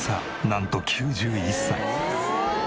なんと９１歳。